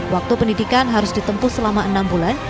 waktu pendidikan harus ditempuh selama enam bulan